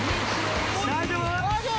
◆大丈夫？